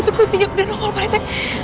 itu kuntinya udah nongol pak rite